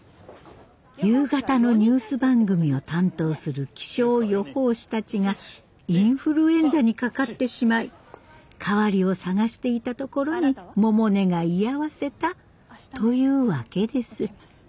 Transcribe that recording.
夕方のニュース番組を担当する気象予報士たちがインフルエンザにかかってしまい代わりを探していたところに百音が居合わせたというわけです。